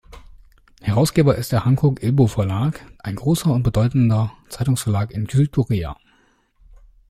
Herausgeber ist der "Hankook Ilbo-Verlag", ein großer und bedeutender Zeitungsverlag in Südkorea.